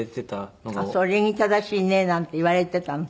「礼儀正しいね」なんて言われていたの？